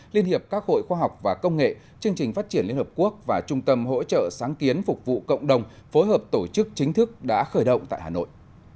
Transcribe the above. liên hiệp các hội khoa học và công nghệ chương trình phát triển liên hợp quốc và trung tâm hỗ trợ sáng kiến phục vụ cộng đồng phối hợp tổ chức chính thức đã khởi động tại hà nội